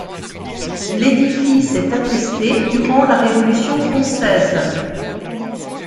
L'édifice est attesté durant la Révolution Française.